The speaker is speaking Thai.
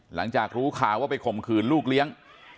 หลังจากรู้ข่าวว่าไปข่มขืนลูกเลี้ยง